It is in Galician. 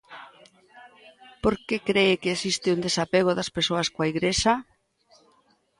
Por que cre que existe un desapego das persoas coa Igrexa?